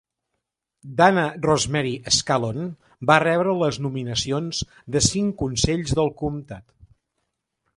Dana Rosemary Scallon va rebre les nominacions de cinc consells del comtat.